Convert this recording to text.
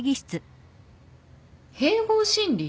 併合審理？